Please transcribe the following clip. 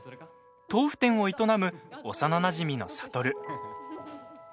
豆腐店を営む、幼なじみの智。